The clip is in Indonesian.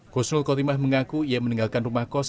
kosul kotimah mengaku ia meninggalkan rumah kos